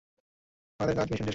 আমােদর কাজ মিশন শেষ করা।